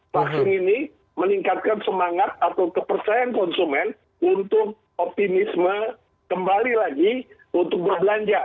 vaksin ini meningkatkan semangat atau kepercayaan konsumen untuk optimisme kembali lagi untuk berbelanja